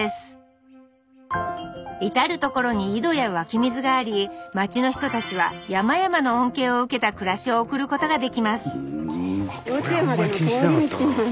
至る所に井戸や湧き水があり町の人たちは山々の恩恵を受けた暮らしを送ることができます